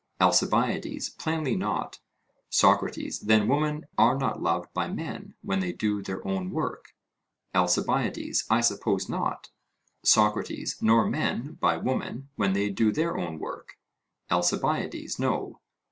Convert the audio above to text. ALCIBIADES: Plainly not. SOCRATES: Then women are not loved by men when they do their own work? ALCIBIADES: I suppose not. SOCRATES: Nor men by women when they do their own work? ALCIBIADES: No.